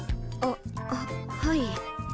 あははい。